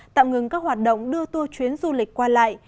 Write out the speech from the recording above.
tạm ngừng các hoạt động đưa tua chuyến du lịch qua lại